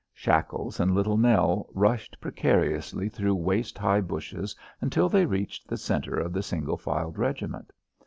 Shackles and Little Nell rushed precariously through waist high bushes until they reached the centre of the single filed regiment.